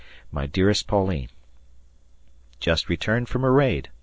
My dearest Pauline: Just returned from a raid.